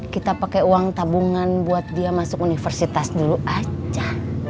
kita pake uangtabungan buat dia masuk universitas dulu aja